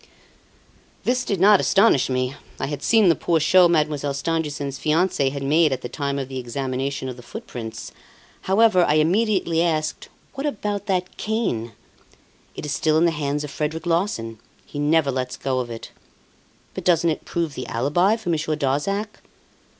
This did not astonish me. I had seen the poor show Mademoiselle Stangerson's fiance had made at the time of the examination of the footprints. However, I immediately asked: "What about that cane?" "It is still in the hands of Frederic Larsan. He never lets go of it." "But doesn't it prove the alibi for Monsieur Darzac?"